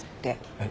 えっ？